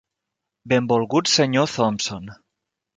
Benvolgut Sr. Thompson.